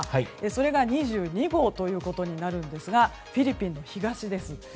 それが２２号ということになるんですがフィリピンの東です。